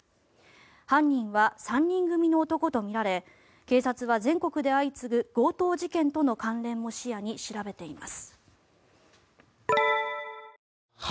犯人は３人組の男とみられ警察は、全国で相次ぐ強盗事件との関連も視野に調べています。